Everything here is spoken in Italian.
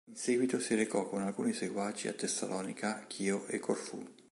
In seguito si recò con alcuni seguaci a Tessalonica, Chio e Corfù.